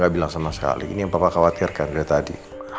dia ga bilang sama sekali ini yang papa khawatirkan dari tadi